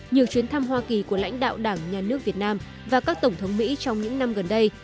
nhiều chuyến thăm hoa kỳ của lãnh đạo đảng nhà nước việt nam và các tổng thống mỹ trong những năm gần đây